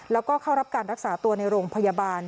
แล้วก็เข้ารับการรักษาตัวในโรงพยาบาล